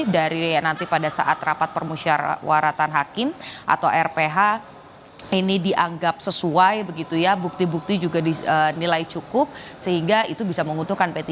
dari nanti pada saat rapat permusyawaratan hakim atau rph ini dianggap sesuai begitu ya bukti bukti juga dinilai cukup sehingga itu bisa menguntungkan p tiga